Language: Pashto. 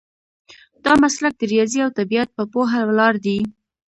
دا مسلک د ریاضي او طبیعت په پوهه ولاړ دی.